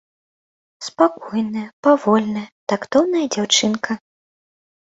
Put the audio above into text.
Спакойная, павольная, тактоўная дзяўчынка.